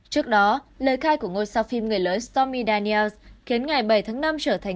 trước đó lời khai của ngôi sao phim người lớn stomy daniels khiến ngày bảy tháng năm trở thành